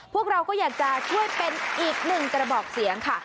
พวกเราก็อยากจะช่วยเป็นอีกหนึ่งกระบอกเสียงค่ะ